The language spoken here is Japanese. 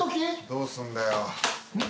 どうすんだよ？